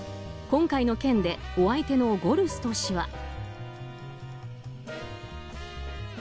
今回の件でお相手のゴルスト氏は。